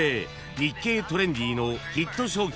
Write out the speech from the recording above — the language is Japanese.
『日経トレンディ』のヒット商品